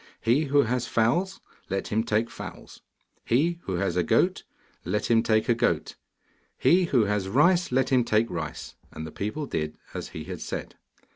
He who has fowls, let him take fowls; he who has a goat, let him take a goat; he who has rice, let him take rice.' And the people did as he had said.